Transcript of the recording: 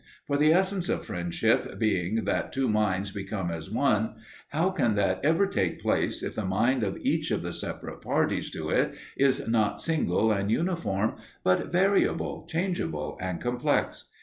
For the essence of friendship being that two minds become as one, how can that ever take place if the mind of each of the separate parties to it is not single and uniform, but variable, changeable, and complex?